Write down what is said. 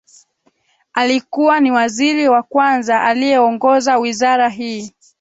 Alikuwa ni waziri wa kwanza aliyeongoza Wizara hii